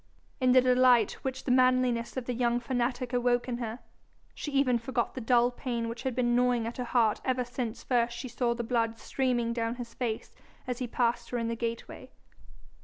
In the delight which the manliness of the young fanatic awoke in her, she even forgot the dull pain which had been gnawing at her heart ever since first she saw the blood streaming down his face as he passed her in the gateway.